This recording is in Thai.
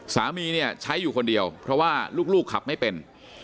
สามีเนี่ยใช้อยู่คนเดียวเพราะว่าลูกขับไม่เป็น